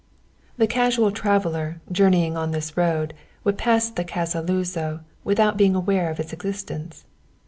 The casual traveller journeying on this road would pass the Casa Luzo without being aware of its existence.